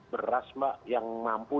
beras mbak yang mampu